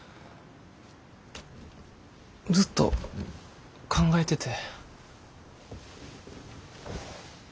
ずっと考えてて。